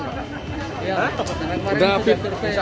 udah sampai berapa persen